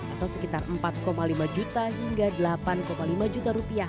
atau sekitar empat lima juta hingga delapan lima juta rupiah